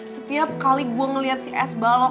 setiap kali gue ngeliat si es balok